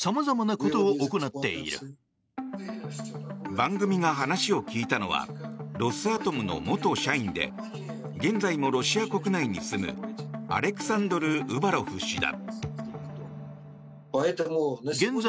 番組が話を聞いたのはロスアトムの元社員で現在もロシア国内に住むアレクサンドル・ウバロフ氏だ。